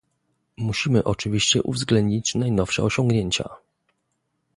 Musimy oczywiście uwzględnić najnowsze osiągnięcia